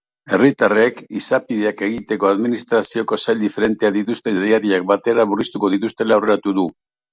Herritarrek izapideak egiteko administrazioko sail diferenteek dituzten leihatilak batera murriztuko dituztela aurreratu du.